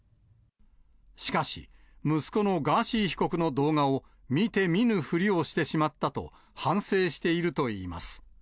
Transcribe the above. しかし、息子のガーシー被告の動画を見て見ぬふりをしてしまったと、反省しているといいます。